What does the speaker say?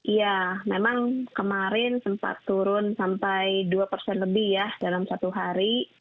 iya memang kemarin sempat turun sampai dua persen lebih ya dalam satu hari